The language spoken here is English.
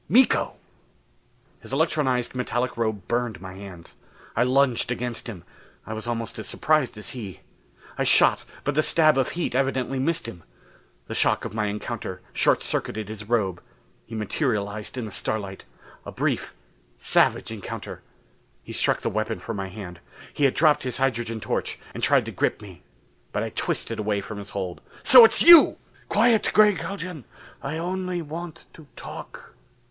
Miko! His electronized metallic robe burned my hands. I lunged against him I was almost as surprised as he. I shot, but the stab of heat evidently missed him. The shock of my encounter, short circuited his robe; he materialized in the starlight. A brief, savage encounter. He struck the weapon from my hand. He had dropped his hydrogen torch, and tried to grip me. But I twisted away from his hold. "So it's you!" "Quiet, Gregg Haljan! I only want to talk."